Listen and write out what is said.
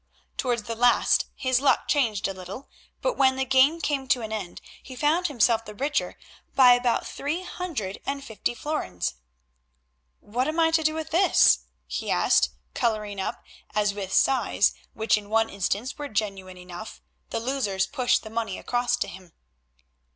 Towards the last his luck changed a little, but when the game came to an end he found himself the richer by about three hundred and fifty florins. "What am I do to with this?" he asked colouring up, as with sighs, which in one instance were genuine enough, the losers pushed the money across to him.